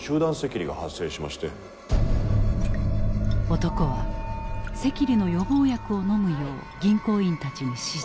男は赤痢の予防薬を飲むよう銀行員たちに指示。